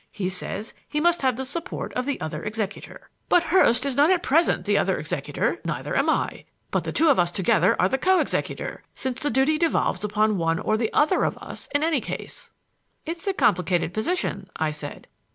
He says he must have the support of the other executor. But Hurst is not at present the other executor; neither am I. But the two of us together are the co executor, since the duty devolves upon one or other of us, in any case." "It's a complicated position," I said.